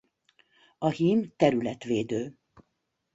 A hím területvédő.